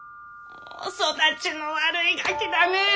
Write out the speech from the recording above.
育ちの悪いガキだね。